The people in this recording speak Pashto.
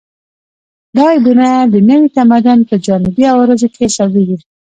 دا عیبونه د نوي تمدن په جانبي عوارضو کې حسابېږي